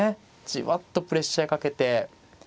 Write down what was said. じわっとプレッシャーかけて。